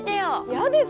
嫌ですよ！